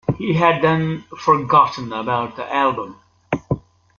He had then forgotten about the album.